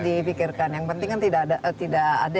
dipikirkan yang penting kan tidak ada